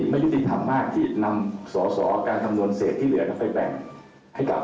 ไม่ยี่ทีถามมากที่นำสอสอการคำนวน